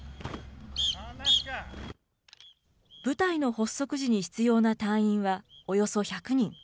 部隊の発足時に必要な隊員はおよそ１００人。